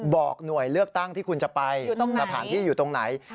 บอกหน่วยเลือกตั้งที่คุณจะไปสถานที่อยู่ตรงไหน